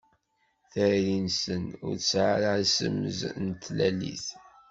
Tayri-nsen ur tesɛi ara azemz n tlalit.